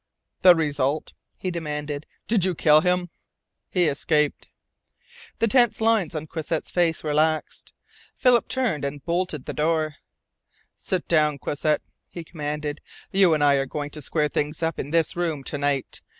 "The result?" he demanded. "Did you kill him?" "He escaped." The tense lines on Croisset's face relaxed. Philip turned and bolted the door. "Sit down, Croisset," he commanded. "You and I are going to square things up in this room to night.